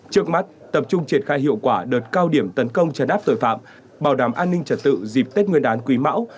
trước mắt tập trung triệt khai hiệu quả đợt cao điểm tấn công trả đáp tội phạm bảo đảm an ninh trật tự dịp tết nguyên đán quý mão